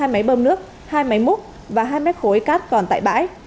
hai máy bơm nước hai máy múc và hai mét khối cát còn tại bãi